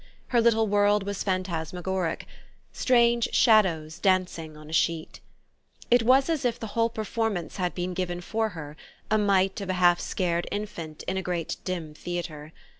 Her little world was phantasmagoric strange shadows dancing on a sheet. It was as if the whole performance had been given for her a mite of a half scared infant in a great dim theatre.